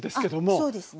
そうですね。